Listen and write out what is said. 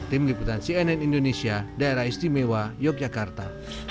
tim liputan cnn indonesia daerah istimewa yogyakarta